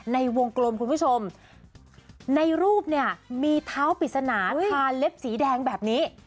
ในวงกลมคุณผู้ชมในรูปเนี่ยมีเท้าปริศนาคาเล็บสีแดงแบบนี้